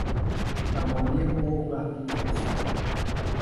تمامی حقوق محفوظ است